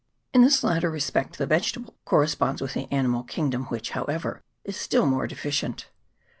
In this latter respect the vegetable corresponds with the animal kingdom, which, however, is still more deficient.